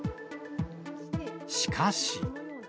しかし。